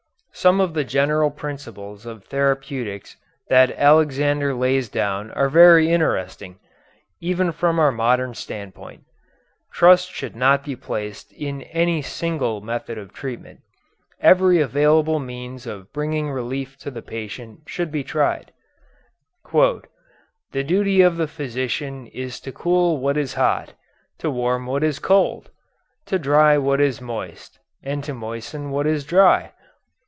Some of the general principles of therapeutics that Alexander lays down are very interesting, even from our modern standpoint. Trust should not be placed in any single method of treatment. Every available means of bringing relief to the patient should be tried. "The duty of the physician is to cool what is hot, to warm what is cold, to dry what is moist, and to moisten what is dry.